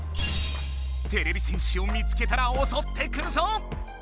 てれび戦士を見つけたらおそってくるぞ！